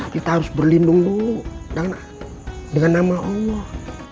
kita harus berlindung dulu dengan nama allah